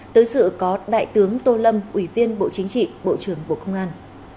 tới sự có đại tướng tô lâm ủy viên bộ chính trị bộ trưởng bộ công an